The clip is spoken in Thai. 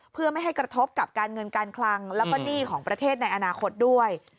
เพื่อไม่ให้กระทบกับการเงินการคลังแล้วก็หนี้ของประเทศในอนาคตด้วย